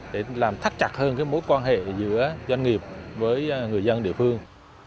để làm thắt chặt hơn cái mối quan hệ giữa doanh nghiệp với người dân địa phương